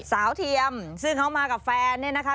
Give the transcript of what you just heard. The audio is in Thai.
เทียมซึ่งเขามากับแฟนเนี่ยนะคะ